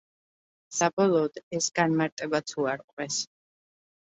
საბოლოოდ, ეს განმარტებაც უარყვეს.